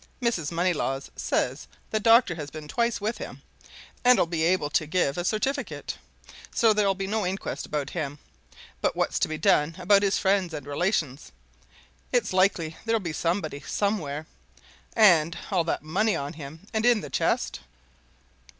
Mrs. Moneylaws says the doctor had been twice with him, and'll be able to give a certificate, so there'll be no inquest about him; but what's to be done about his friends and relations? It's likely there'll be somebody, somewhere. And all that money on him and in his chest?"